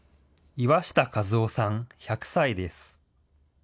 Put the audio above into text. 岩下運雄さん１００歳です。